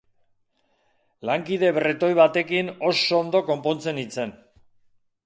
Lankide bretoi batekin oso ondo konpontzen nintzen.